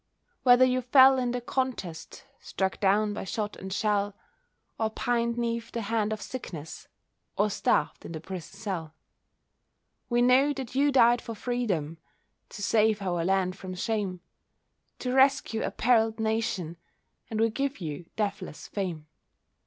Whether you fell in the contest, Struck down by shot and shell, Or pined 'neath the hand of sickness Or starved in the prison cell, We know that you died for Freedom, To save our land from shame, To rescue a perilled Nation, And we give you deathless fame.